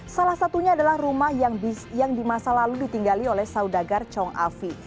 salah satunya adalah rumah yang di masa lalu ditinggali oleh saudagar chong afi